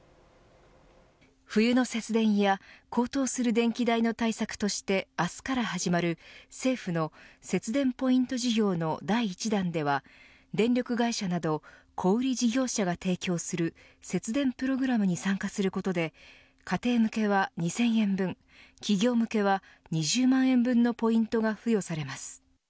冬の節電や高騰する電気代の対策として明日から始まる政府の節電ポイント事業の第１弾では電力会社など小売り事業者が提供する節電プログラムに参加することで家庭向けは２０００円分企業向けは２０万円分のポイントが付与されます。